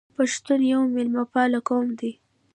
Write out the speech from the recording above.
پښتون یو میلمه پال قوم دی.